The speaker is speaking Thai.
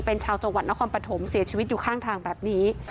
เป็นชาวจังหวัดนครปฐมเสียชีวิตอยู่ข้างทางแบบนี้